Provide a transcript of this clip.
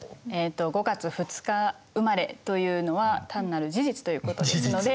５月２日生まれというのは単なる事実ということですので。